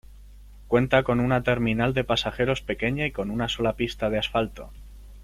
Cuenta con una terminal de pasajeros pequeña y con una sola pista de asfalto.